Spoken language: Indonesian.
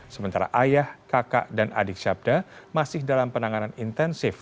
sementara ayah kakak dan adik syabda masih dalam penanganan intensif